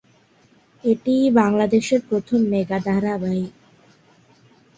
এটিই বাংলাদেশের প্রথম মেগা ধারাবাহিক।